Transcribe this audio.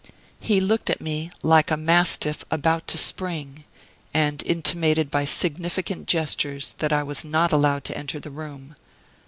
He looked at me like a mastiff about to spring; and intimated by significant gestures that I was not allowed to enter the room.